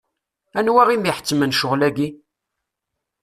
Anwa i m-iḥettmen ccɣel-agi?